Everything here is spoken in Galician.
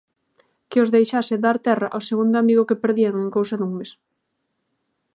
que os deixase dar terra ó segundo amigo que perdían en cousa dun mes.